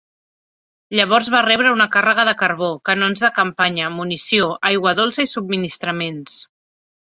Llavors va rebre una càrrega de carbó, canons de campanya, munició, aigua dolça i subministraments.